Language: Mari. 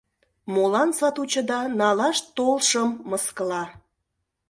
Молан сатучыда налаш толшым мыскыла?